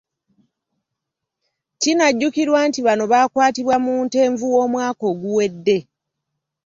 Kinajjukirwa nti bano baakwatibwa mu Ntenvu w’omwaka oguwedde.